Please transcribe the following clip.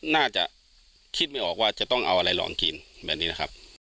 น่าจะคิดไม่ออกว่าจะต้องเอาอะไรลองกินแบบนี้นะครับ